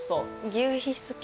求肥好き。